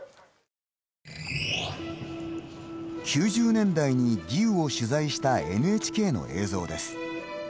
９０年代に義烏を取材したＮＨＫの映像です。